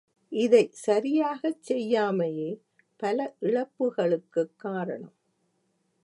இதைச் சரியாகச் செய்யாமையே பல இழப்புகளுக்குக் காரணம்.